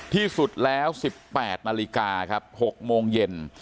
ที่สุดแล้ว๑๘นาฬิกาครับ๖โมงเย็น